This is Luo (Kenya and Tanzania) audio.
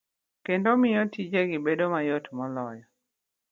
kendo miyo tijegi bedo mayot moloyo.